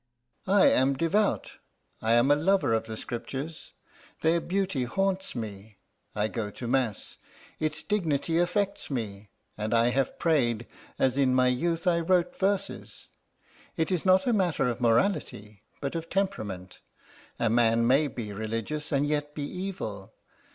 "I am devout; I am a lover of the Scriptures their beauty haunts me; I go to mass its dignity affects me; and I have prayed, as in my youth I wrote verses. It is not a matter of morality, but of temperament. A man may be religious and yet be evil.